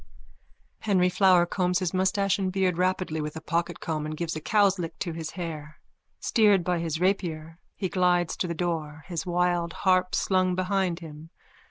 _ _(Henry Flower combs his moustache and beard rapidly with a pocketcomb and gives a cow's lick to his hair. Steered by his rapier, he glides to the door, his wild harp slung behind him.